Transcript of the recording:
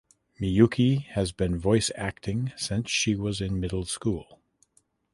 Miyuki had been voice acting since she was in middle school.